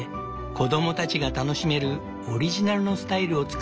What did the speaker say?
子供たちが楽しめるオリジナルのスタイルを作り出した。